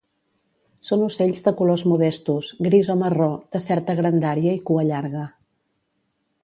Són ocells de colors modestos, gris o marró, de certa grandària i cua llarga.